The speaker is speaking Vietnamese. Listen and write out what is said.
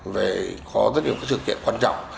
về có rất nhiều cái sự kiện quan trọng